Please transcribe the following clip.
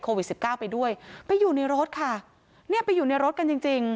โควิดสิบเก้าไปด้วยไปอยู่ในรถค่ะเนี่ยไปอยู่ในรถกันจริงจริง